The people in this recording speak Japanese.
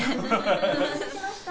お待たせしました。